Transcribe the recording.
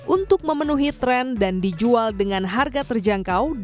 untuk memenuhi tren dan dijual dengan harga terjangkau dalam waktu singkat